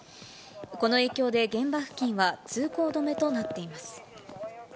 この影響で、現場付近は通行止めとなっています。